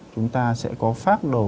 chúng ta sẽ có phát đồ